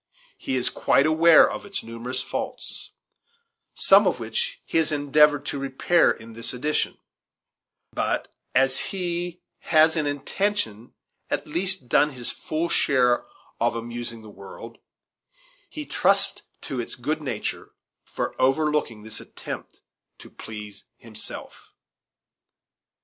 He is quite aware of its numerous faults, some of which he has endeavored to repair in this edition; but as he has in intention, at least done his full share in amusing the world, he trusts to its good nature for overlooking this attempt to please himself.